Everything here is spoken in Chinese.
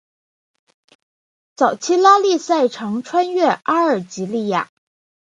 早期拉力赛常穿越阿尔及利亚。